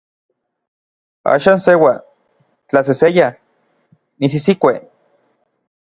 Axan seua, tlaseseya, nisisikue.